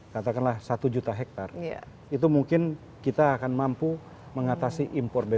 katakanlah satu juta hektare itu mungkin kita akan mampu mengatasi impor bbm